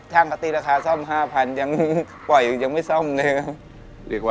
ช่างปฏิราคาซ่อม๕๐๐๐บาทยังปล่อยอยู่ยังไม่ซ่อมเลยครับ